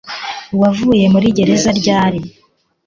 Wavuye muri gereza ryari